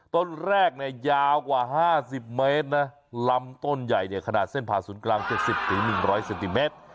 ต้นแรกเนี่ยยาวกว่าห้าสิบเมตรนะลำต้นใหญ่เนี่ยขนาดเส้นผ่าศูนย์กลางเกือบสิบถึงหนึ่งร้อยเซนติเมตร